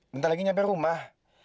bentar lagi nyampe rumah